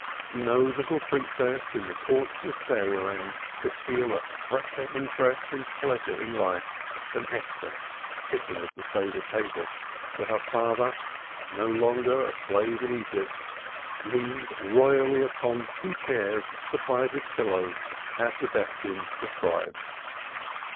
No little princess in the courts of fairyland could feel a fresher interest and pleasure in life than Esther sitting at the Seder table, where her father no longer a slave in Egypt leaned royally upon two chairs supplied with pillows as the Din prescribes.